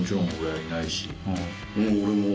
俺も。